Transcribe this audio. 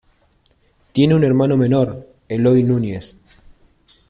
Tiene un hermano menor, Eloi Núñez.